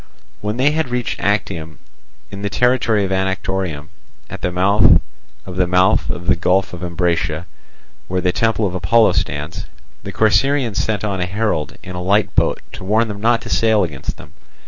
When they had reached Actium in the territory of Anactorium, at the mouth of the mouth of the Gulf of Ambracia, where the temple of Apollo stands, the Corcyraeans sent on a herald in a light boat to warn them not to sail against them.